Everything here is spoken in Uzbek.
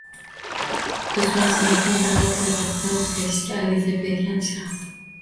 Ko‘chmas mulkni davlat ro‘yxatidan o‘tkazishga ariza bergan shaxs